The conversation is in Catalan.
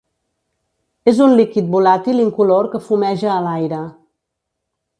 És un líquid volàtil incolor que fumeja a l'aire.